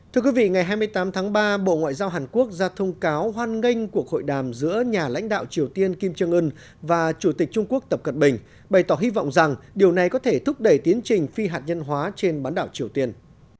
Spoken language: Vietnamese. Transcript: thưa quý vị ngày hai mươi tám tháng ba bộ ngoại giao hàn quốc ra thông cáo hoan nghênh cuộc hội đàm giữa nhà lãnh đạo triều tiên kim trương ưn và chủ tịch trung quốc tập cận bình bày tỏ hy vọng rằng điều này có thể thúc đẩy tiến trình phi hạt nhân hóa trên bán đảo triều tiên